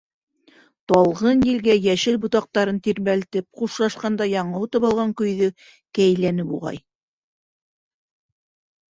Талғын елгә йәшел ботаҡтарын тирбәлтеп, хушлашҡанда яңы отоп алған көйҙө кәйләне, буғай.